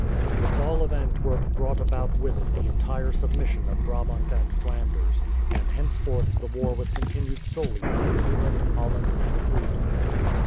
The fall of Antwerp brought about with it the entire submission of Brabant and Flanders, and henceforth the war was continued solely by Zeeland, Holland, and Friesland.